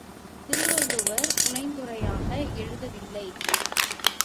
திருவள்ளுவர் புனைந்துரையாக எழுதவில்லை.